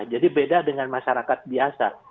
jadi beda dengan masyarakat biasa